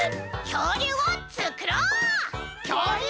きょうりゅうをつくろう！